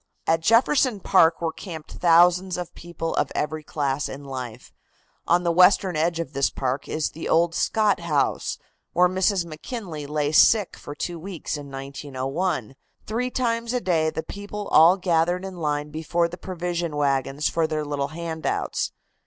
At Jefferson Park were camped thousands of people of every class in life. On the western edge of this park is the old Scott house, where Mrs. McKinley lay sick for two weeks in 1901. Three times a day the people all gathered in line before the provision wagons for their little handouts.